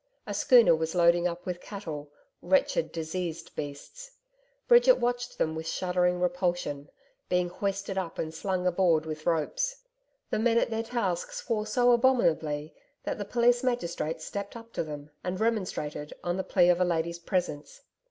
A schooner was loading up with cattle wretched diseased beasts. Bridget watched them with shuddering repulsion being hoisted up and slung aboard with ropes. The men at their task swore so abominably that the police magistrate stepped up to them and remonstrated on the plea of a lady's presence.